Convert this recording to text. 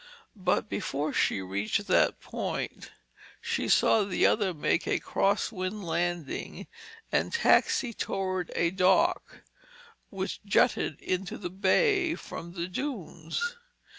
But before she reached that point, she saw the other make a crosswind landing and taxi toward a dock which jutted into the Bay from the dunes.